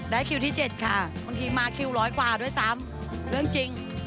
คิวที่๗ค่ะบางทีมาคิวร้อยกว่าด้วยซ้ำเรื่องจริง